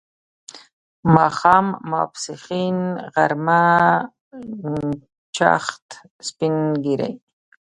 ماښام، ماپښین، غرمه، چاښت، سپین ږیری